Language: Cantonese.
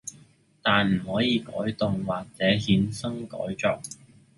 但唔可以改動或者衍生改作